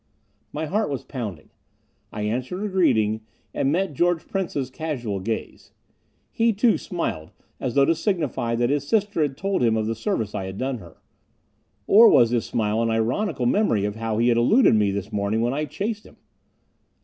My heart was pounding. I answered her greeting, and met George Prince's casual gaze. He, too, smiled, as though to signify that his sister had told him of the service I had done her. Or was his smile an ironical memory of how he had eluded me this morning when I chased him?